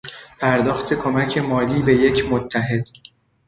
پرداخت کمک مالی به یک متحد